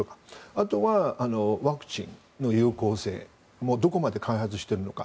あとはワクチンの有効性どこまで開発してるのか。